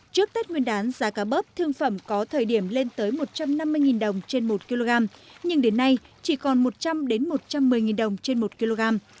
trước tết nguyên đán giá cá bớp thương phẩm có thời điểm lên tới một trăm năm mươi đồng trên một kg nhưng đến nay chỉ còn một trăm linh một trăm một mươi đồng trên một kg